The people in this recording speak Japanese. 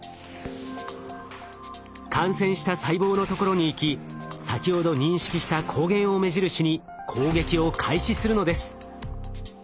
感染した細胞のところに行き先ほど認識した抗原を目印に攻撃を開始するのです。